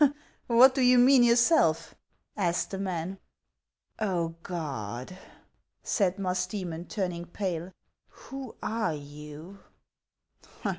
What do you mean yourself ?" asked the man. " Oh, God !" said Musdcemon, turning pale, " who are you